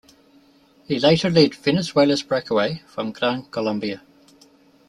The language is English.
He later led Venezuela's breakaway from Gran Colombia.